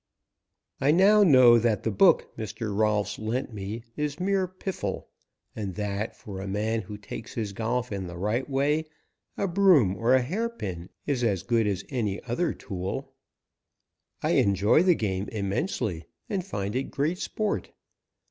I now know that the book Mr. Rolfs lent me is mere piffle and that, for a man who takes his golf in the right way, a broom or a hairpin is as good as any other tool. I enjoy the game immensely, and find it great sport.